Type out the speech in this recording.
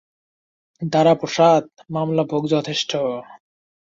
দাঁড়া-প্রসাদ, মালসা ভোগ যথেষ্ট।